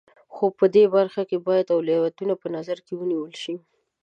خو په دې برخه کې باید اولویتونه په نظر کې ونیول شي.